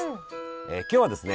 今日はですね